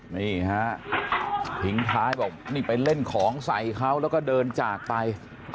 นี่ฮะทิ้งท้ายบอกนี่ไปเล่นของใส่เขาแล้วก็เดินจากไป